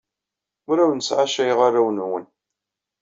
Ur awen-sɛacayeɣ arraw-nwen.